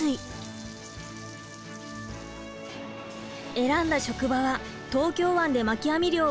選んだ職場は東京湾で巻き網漁をする船。